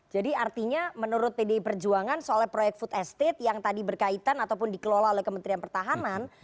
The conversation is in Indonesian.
jadi artinya menurut pdi perjuangan soalnya proyek food estate yang tadi berkaitan ataupun dikelola oleh kementerian pertahanan